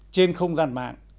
trên không gian mạng